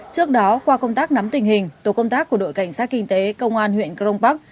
trước đó qua công tác nắm tình hình tổ công tác của đội cảnh sát kinh tế công an huyện crong park